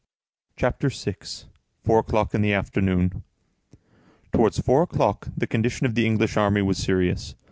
CHAPTER VI—FOUR O'CLOCK IN THE AFTERNOON Towards four o'clock the condition of the English army was serious.